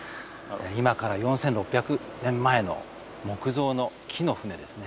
今から４６００年前の木造の木の船ですね。